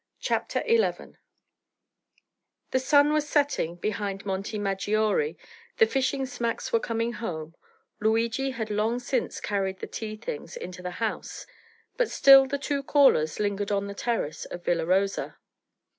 CHAPTER XI The sun was setting behind Monte Maggiore, the fishing smacks were coming home, Luigi had long since carried the tea things into the house; but still the two callers lingered on the terrace of Villa Rosa.